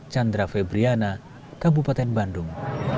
chandra febriana kabupaten bandung